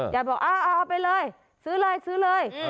อยากบอกเอาไปเลยซื้อเลย